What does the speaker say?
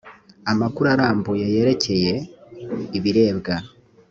amakuru arambuye yerekeye ibirebwa